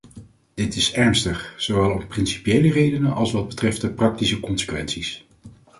Dit is ernstig, zowel om principiële redenen als wat betreft de praktische consequenties.